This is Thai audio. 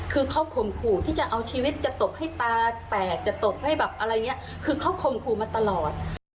คือเขาข่มขู่มาตลอด